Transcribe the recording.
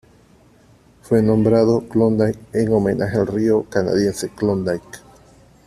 Fue nombrado Klondike en homenaje al río canadiense Klondike.